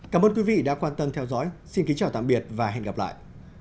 cảm ơn quý vị đã quan tâm theo dõi xin kính chào tạm biệt và hẹn gặp lại